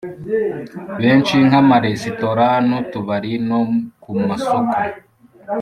Benshi Nka Amaresitora N Utubari No Ku Masoko